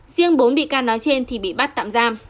riêng bốn bị can nói trên thì bị bắt tạm giam